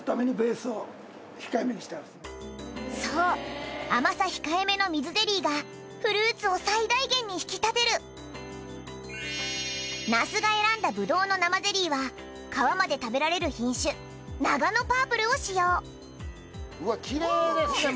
そう甘さ控えめの水ゼリーがフルーツを最大限に引き立てる那須が選んだぶどうの生ゼリーは皮まで食べられる品種ナガノパープルを使用うわキレイですね